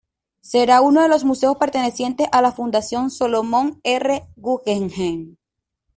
Será uno de los museos pertenecientes a la Fundación Solomon R. Guggenheim.